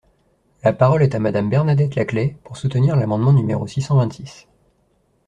La parole est à Madame Bernadette Laclais, pour soutenir l’amendement numéro six cent vingt-six.